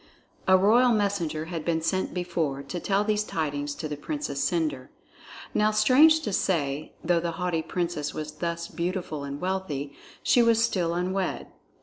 A royal messenger had been sent before to tell these tidings to the Princess Cendre. Now, strange to say, though the haughty Princess was thus beautiful and wealthy, she was still unwed.